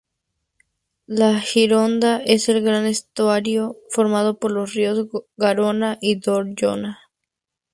La Gironda es el gran estuario formado por los ríos Garona y Dordoña.